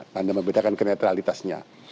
tanda membedakan keneutralitasnya